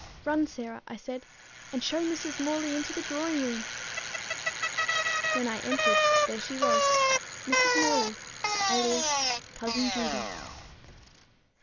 "Run, Sarah," I said, "and show Mrs. Morley into the drawing room." When I entered, there she was, Mrs. Morley, alias Cousin Judy.